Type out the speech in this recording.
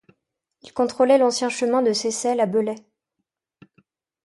Il contrôlait l'ancien chemin de Seyssel à Belley.